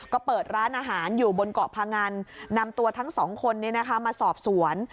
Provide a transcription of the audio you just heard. ก็เปิดร้านอาหารอยู่บนเกาะพงันนำตัวทั้งสองคนมาสอบสวน